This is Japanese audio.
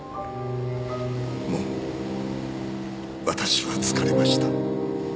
もう私は疲れました。